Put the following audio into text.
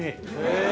へえ。